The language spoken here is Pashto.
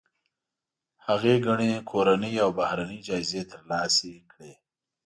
هغې ګڼې کورنۍ او بهرنۍ جایزې ترلاسه کړي.